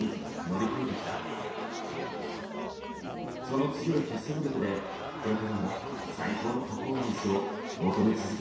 その強い結束力でこれからも最高のパフォーマンスを求め続けていきます。